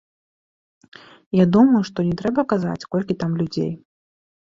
Я думаю, што не трэба казаць, колькі там людзей.